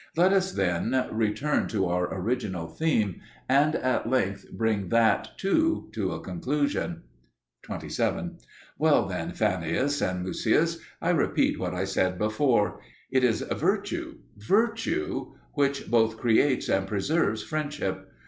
Let us then return to our original theme, and at length bring that, too, to a conclusion. 27. Well, then, Fannius and Mucius, I repeat what I said before. It is virtue, virtue, which both creates and preserves friendship.